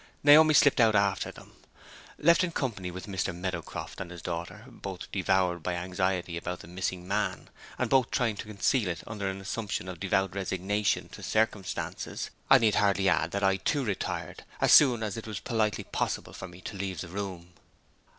Naomi slipped out after them. Left in company with Mr. Meadowcroft and his daughter (both devoured by anxiety about the missing man, and both trying to conceal it under an assumption of devout resignation to circumstances), I need hardly add that I, too, retired, as soon as it was politely possible for me to leave the room.